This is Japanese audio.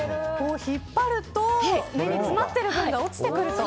引っ張ると詰まってる部分が落ちてくると。